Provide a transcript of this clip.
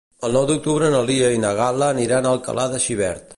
El nou d'octubre na Lia i na Gal·la aniran a Alcalà de Xivert.